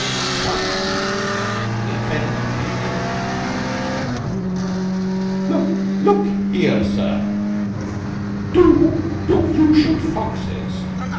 But why should he, the offender, be angry? "Lo look here, sir. Do do you shoot foxes?